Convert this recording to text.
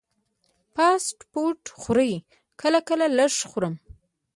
فاسټ فوډ خورئ؟ کله کله، لږ خورم